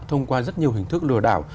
thông qua rất nhiều hình thức lừa đảo